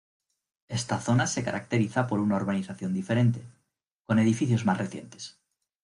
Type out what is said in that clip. Esta zona se caracteriza por una urbanización diferente, con edificios más recientes.